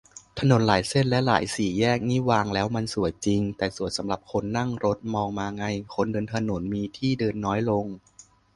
ถนนหลายเส้นและหลายสี่แยกนี่วางแล้วมันสวยจริง แต่สวยสำหรับคนนั่งรถมองมาไง คนเดินถนนมีที่เดินน้อยลง